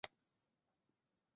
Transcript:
熙宁四年出生。